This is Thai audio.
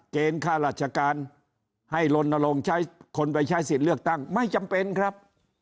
ค่าราชการให้ลนลงใช้คนไปใช้สิทธิ์เลือกตั้งไม่จำเป็นครับ